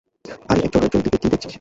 আরে একজন আরেকজনের দিকে কী দেখছিস?